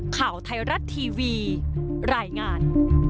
ข่าวไทยรัฐทีวีรายงาน